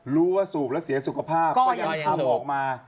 สูบแล้วเสียสุขภาพก็ยังทำออกมา